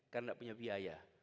karena tidak punya biaya